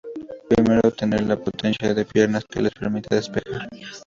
Primero, tener la potencia de piernas que les permita despejar.